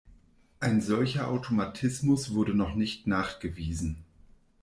Ein solcher Automatismus wurde noch nicht nachgewiesen.